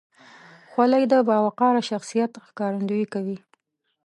خولۍ د باوقاره شخصیت ښکارندویي کوي.